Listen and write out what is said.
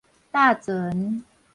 搭船